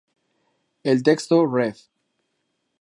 El texto ref.